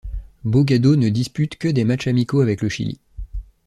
Bogado ne dispute que des matchs amicaux avec le Chili.